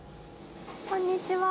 こんにちは。